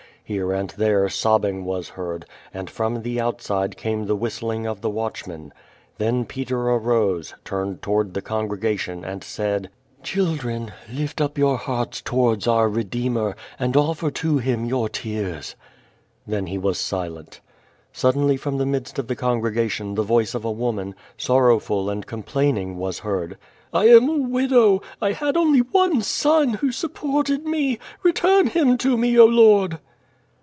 Here and there sobbing was heard, and from the outside came the whistling of the watc?i men. Then Peter arose, turned toAvard the congregation, and said: "Children, lift up your hearts towards our Redeemer, and offer to him your tears." Then he was silent. Suddenly from the midst of the congregation the voice of a woman, sorrowful and complaining, was heard. "I am a widow. I had only one son, who supported me. Return him to me, 0 Lord!"